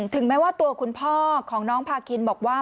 ถึงแม้ว่าตัวคุณพ่อของน้องพาคินบอกว่า